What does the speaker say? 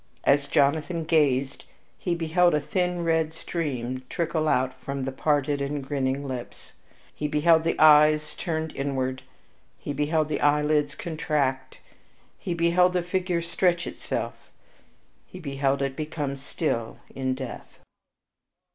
As Jonathan gazed he beheld a thin red stream trickle out from the parted and grinning lips; he beheld the eyes turn inward; he beheld the eyelids contract; he beheld the figure stretch itself; he beheld it become still in death.